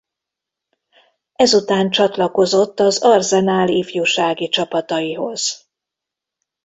Ezután csatlakozott az Arsenal ifjúsági csapataihoz.